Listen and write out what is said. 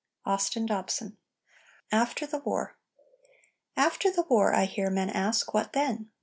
AUSTIN DOBSON. AFTER THE WAR After the war I hear men ask what then?